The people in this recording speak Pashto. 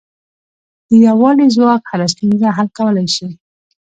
د یووالي ځواک هره ستونزه حل کولای شي.